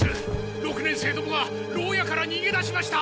六年生どもがろう屋からにげ出しました！